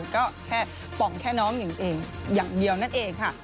ก็ป๋องแค่น้องอย่างเดียวนั่นเองค่ะ